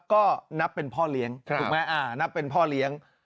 ก็นับเป็นพ่อเลี้ยงถูกไหมนับเป็นพ่อเลี้ยง